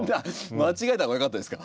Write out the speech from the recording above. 間違えた方がよかったですか？